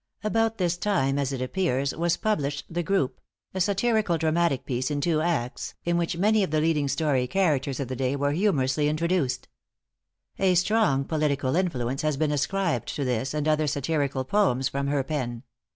About this time, as it appears, was published "The Group" a satirical dramatic piece in two Acts, in which many of the leading tory characters of the day were humorously introduced. A strong political influence has been ascribed to this and other satirical poems from her pen.